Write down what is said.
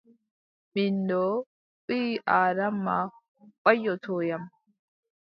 Min ɗo, ɓii-Aadama waƴƴotoyam.